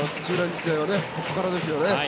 日大はここからですよね。